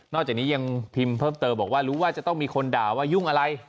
จากนี้ยังพิมพ์เพิ่มเติมบอกว่ารู้ว่าจะต้องมีคนด่าว่ายุ่งอะไร